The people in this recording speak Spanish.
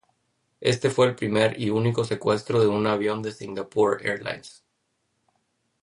Este fue el primer y único secuestro de un avión de Singapore Airlines.